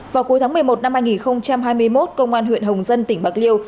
vào cuối tháng một mươi một năm hai nghìn hai mươi một công an huyện hồng dân tỉnh bạc liêu